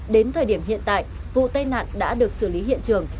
đến thời điểm hiện tại vụ tai nạn đã được xử lý hiện trường